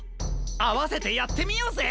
あわせてやってみようぜ！